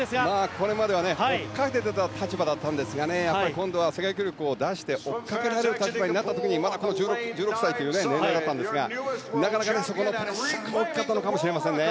これまでは追っかけている立場だったんですが今度は世界記録を出して追いかけられる立場になった時にまだこの１６歳という年齢だったんですがなかなかそこのプレッシャーも大きかったのかもしれませんね。